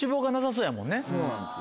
そうなんですよ。